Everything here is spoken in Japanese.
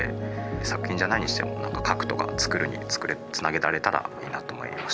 作品じゃないにしても書くとか作るにつなげられたらいいなと思いましたね。